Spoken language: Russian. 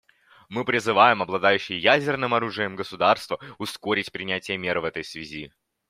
Мы призываем обладающие ядерным оружием государства ускорить принятие мер в этой связи.